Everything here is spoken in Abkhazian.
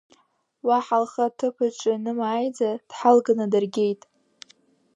Уаҳа лхы аҭыԥ аҿы ианымааиӡа дҳалганы дыргеит…